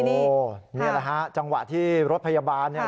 โอ้โหนี่แหละฮะจังหวะที่รถพยาบาลเนี่ย